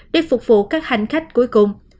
để phục vụ các hành khách cuối cùng